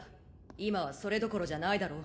今はそれどころじゃないだろう